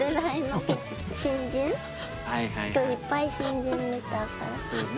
今日いっぱい新人見たから。